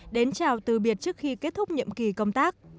đến chào từ biệt trước khi kết thúc nhiệm kỳ công tác